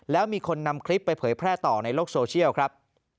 แล้วมีคนนำคลิปไปเผยแพร่ต่อในโลกโซเชียลครับ